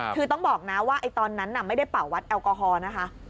คือต้องบอกนะว่าตอนนั้นไม่ได้เป่าวัดแอลกอฮอล์นะคะ